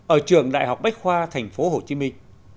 ở trường đại học bách khoa thành phố hồ chí minh